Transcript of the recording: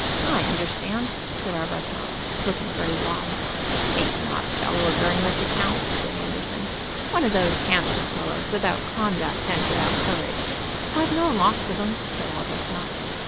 "I understand," said Arbuthnot, looking very wise. "He is not a fellow of very much account," said Anderson; "one of those handsome fellows without conduct and without courage." "I've known lots of 'em," said Arbuthnot.